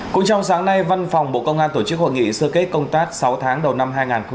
cũng trong sáng nay văn phòng bộ công an tổ chức hội nghị sơ kết công tác sáu tháng đầu năm hai nghìn hai mươi ba